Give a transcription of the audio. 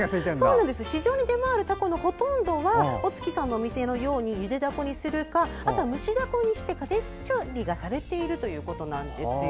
市場に出回るタコのほとんどは小槻さんのお店のようにゆでダコにするかあとは蒸しダコにして加熱調理がされているということです。